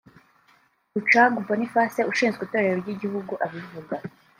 Rucagu Boniface ushinzwe itorero ry’igihugu abivuga